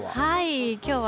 きょうは。